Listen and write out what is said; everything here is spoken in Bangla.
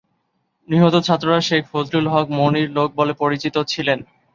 নিহত ছাত্ররা শেখ ফজলুল হক মনির লোক বলে পরিচিত ছিলেন।